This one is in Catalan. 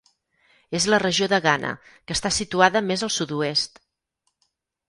És la regió de Ghana que està situada més al sud-oest.